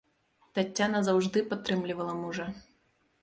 Таццяна заўжды падтрымлівала мужа.